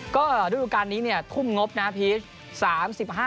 ก็ฤดูการนี้เนี่ยทุ่มงบนะพีช